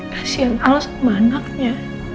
kasihan al sama anaknya